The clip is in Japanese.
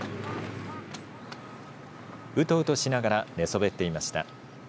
うとうとしながら寝そべっていました。